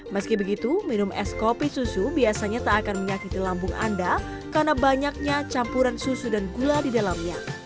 meski begitu minum es kopi susu biasanya tak akan menyakiti lambung anda karena banyaknya campuran susu dan gula di dalamnya